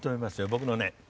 僕のね